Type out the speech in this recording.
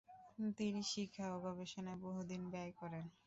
তিনি শিক্ষা ও গবেষণায় বহুদিন ব্যয় করেন।